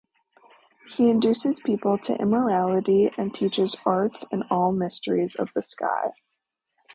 He induces people to immorality and teaches arts and all mysteries of the sky.